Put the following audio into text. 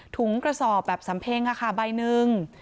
ถุงกระสอบแบบสัมเพงค่ะค่ะใบหนึ่ง